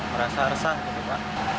biasa gitu pak